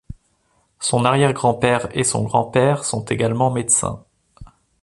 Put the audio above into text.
Son arrière-grand-père et son grand-père sont également médecins.